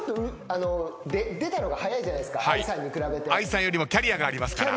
ＡＩさんよりキャリアがありますから。